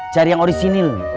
cari yang orisinil